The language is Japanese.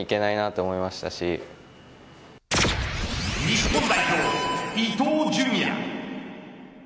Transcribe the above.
日本代表、伊東純也。